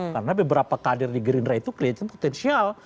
karena beberapa kader di gerindra itu kelihatan potensial